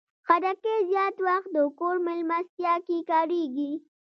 خټکی زیات وخت د کور مېلمستیا کې کارېږي.